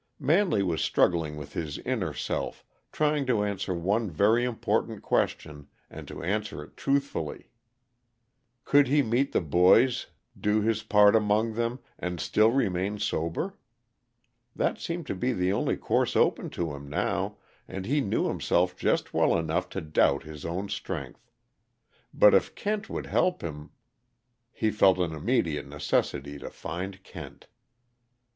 Manley was struggling with his inner self, trying to answer one very important question, and to answer it truthfully: Could he meet "the boys," do his part among them, and still remain sober? That seemed to be the only course open to him now, and he knew himself just well enough to doubt his own strength. But if Kent would help him He felt an immediate necessity to find Kent.